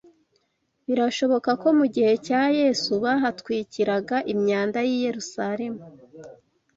Birashoboka ko mu gihe cya Yesu bahatwikiraga imyanda y’i Yerusalemu